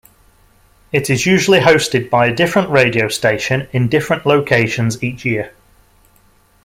It is usually hosted by a different radio station in different locations each year.